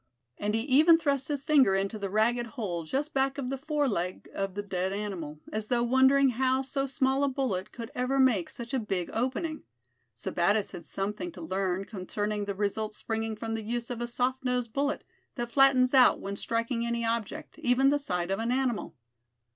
And he even thrust his finger into the ragged hole just back of the fore leg of the dead animal, as though wondering how so small a bullet could ever make such a big opening. Sebattis had something to learn concerning the results springing from the use of a soft nosed bullet, that flattens out when striking any object, even the side of an animal.